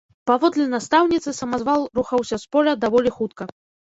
Паводле настаўніцы, самазвал рухаўся з поля даволі хутка.